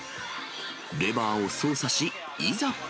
レバーを操作し、いざ。